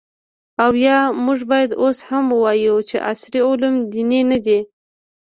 او آیا موږ باید اوس هم ووایو چې عصري علوم دیني نه دي؟